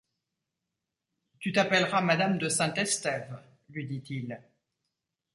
Tu t’appelleras madame de Saint-Estève, lui dit-il.